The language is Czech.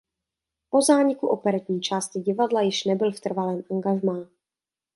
Po zániku operetní části divadla již nebyl v trvalém angažmá.